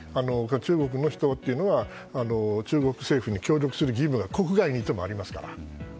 中国の人というのは中国政府に協力する義務が国外にいてもありますから。